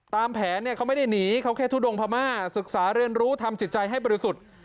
ตามแผนเขาไม่ได้หนีเขาแค่ทุดงพม่าศึกษาเรียนรู้ทำจิตใจให้บริสุทธิ์